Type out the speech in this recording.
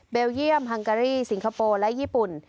เยี่ยมฮังการีสิงคโปร์และญี่ปุ่น